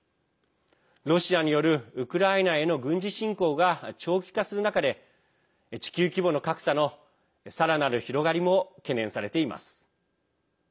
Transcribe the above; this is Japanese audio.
ロシアによる、ウクライナへの軍事侵攻が長期化する中で地球規模の格差のさらなる広がりも懸念されています。